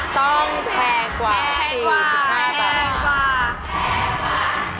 ต้องแพงกว่า๔๕บาท